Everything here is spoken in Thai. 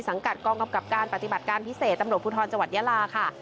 กัดกองกำกับการปฏิบัติการพิเศษตำรวจภูทรจังหวัดยาลาค่ะ